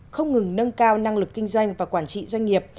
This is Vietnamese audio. không ngừng nâng cao năng lực kinh doanh và quản trị doanh nghiệp